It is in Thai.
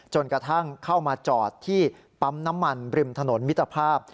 จนกระทั่งเข้ามาจอดที่ปั๊มน้ำมันริมถนนมิตรภาพ